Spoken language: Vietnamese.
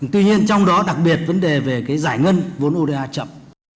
tuy nhiên trong đó đặc biệt vấn đề về cái giải ngân vốn oda chậm